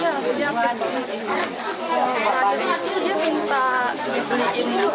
pada hari itu dia minta dibeliin dulu